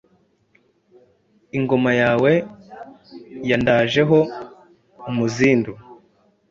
Ingoma yawe yandaje ho umuzindu*